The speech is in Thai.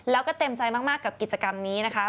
แล้วก็เต็มใจมากกับกิจกรรมนี้นะคะ